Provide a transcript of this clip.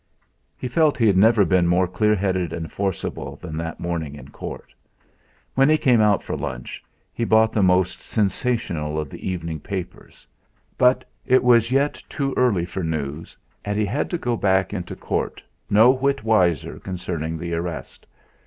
He felt he had never been more clear headed and forcible than that morning in court. When he came out for lunch he bought the most sensational of the evening papers. But it was yet too early for news, and he had to go back into court no whit wiser concerning the arrest.